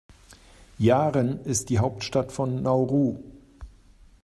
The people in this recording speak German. Yaren ist die Hauptstadt von Nauru.